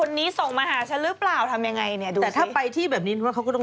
นี่นี่เป็นตอนค่ำเหรอคะอันนี้ตอนค่ำโดยต้องไปที่โรงแรมที่เขาพักสิ